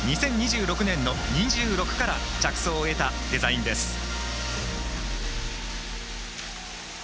２０２６年の「２６」から着想を得たデザインです。